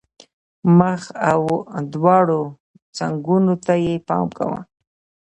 مخ او دواړو څنګونو ته یې پام کاوه.